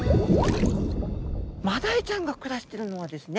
マダイちゃんが暮らしてるのはですね